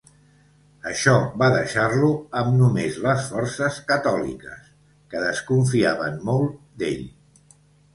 Això va deixar-lo amb només les forces catòliques, que desconfiaven molt d'ell.